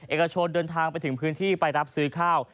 เอกชนเดินทางไปถึงพื้นที่ไปรับซื้อข้าว